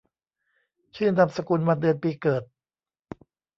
ชื่อนามสกุล วันเดือนปีเกิด